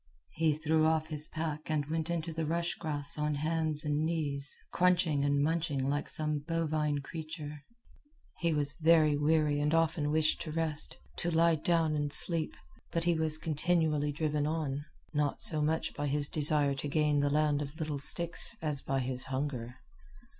He threw off his pack and went into the rush grass on hands and knees, crunching and munching, like some bovine creature. He was very weary and often wished to rest to lie down and sleep; but he was continually driven on not so much by his desire to gain the land of little sticks as by his hunger.